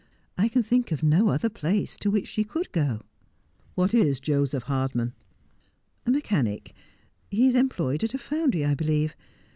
I can think of no other place to which she could go.' '"What is Joseph Hardman 1' 'A mechanic. He is employed at a foundry, I believe.